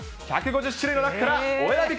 １５０種類の中からお選び